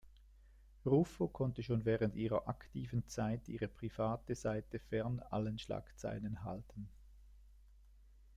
Ruffo konnte schon während ihrer aktiven Zeit ihre private Seite fern allen Schlagzeilen halten.